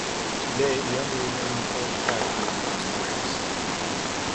Today the only remaining old factory makes bricks.